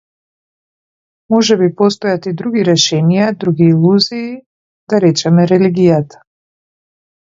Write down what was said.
Можеби постојат и други решенија, други илузии, да речеме религијата.